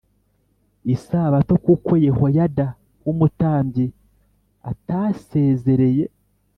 Isabato kuko yehoyada w umutambyi atasezereye